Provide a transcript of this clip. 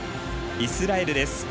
イスラエルです。